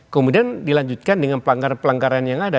kemudian dilanjutkan dengan pelanggaran pelanggaran yang ada